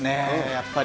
やっぱり。